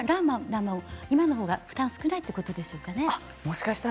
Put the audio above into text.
だから今のほうが負担が少ないということでしょうかね。